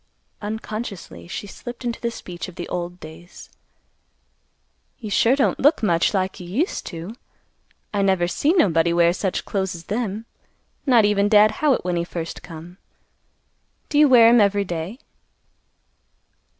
Unconsciously, she slipped into the speech of the old days, "You sure don't look much like you used to. I never see nobody wear such clothes as them. Not even Dad Howitt, when he first come. Do you wear 'em every day?"